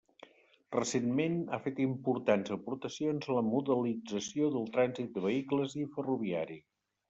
Recentment ha fet importants aportacions a la modelització del trànsit de vehicles i ferroviari.